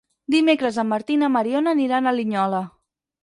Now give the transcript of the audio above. Dimecres en Martí i na Mariona aniran a Linyola.